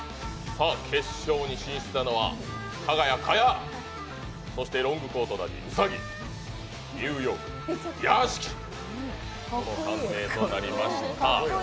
決勝に進出したのはかが屋・賀屋、そしてロングコートダディ・兎ニューヨーク・屋敷この３名となりました。